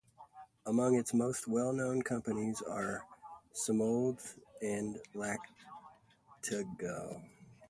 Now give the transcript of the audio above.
Among its most well-known companies are Simoldes and Lactogal.